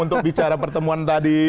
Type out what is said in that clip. untuk bicara pertemuan tadi